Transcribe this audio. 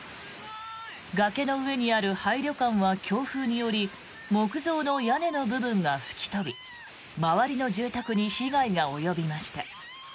崖の上にある廃旅館は強風により木造の屋根の部分が吹き飛び周りの住宅に被害が及びました。